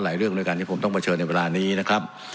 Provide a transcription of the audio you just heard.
เรื่องด้วยกันที่ผมต้องเผชิญในเวลานี้นะครับ